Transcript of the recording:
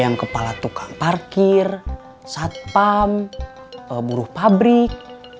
yang kepala tukang parkir satpam buruh pabrik